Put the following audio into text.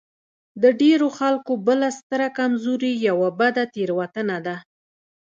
د ډېرو خلکو بله ستره کمزوري يوه بده تېروتنه ده.